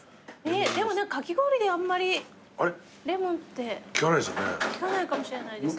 でもかき氷であんまりレモンって聞かないかもしれないですね。